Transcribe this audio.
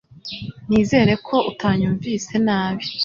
Nizere ko utanyumvise nabi